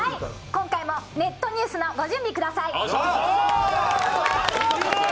今回もネットニュースのご準備ください。